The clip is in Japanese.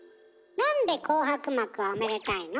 なんで紅白幕はおめでたいの？